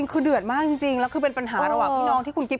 นี่คือปัญหาของพี่น้องที่คุณกรีฟ